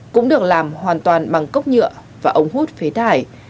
cũng được làm hoàn toàn bằng cốc nhựa và ống hút phế thải